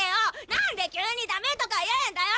何で急にダメとか言うんだよ！